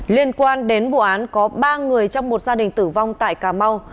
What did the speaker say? liên quan đến vụ án có ba người trong một gia đình tử vong tại cà mau